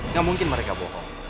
nggak mungkin mereka bohong